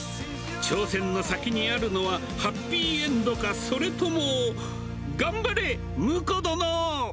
挑戦の先にあるのは、ハッピーエンドか、それとも。